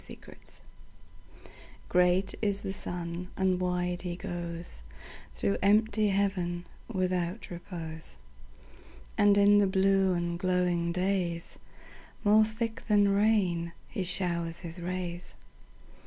Summer Sun GREAT is the sun, and wide he goesThrough empty heaven without repose; And in the blue and glowing daysMore thick than rain he showers his rays.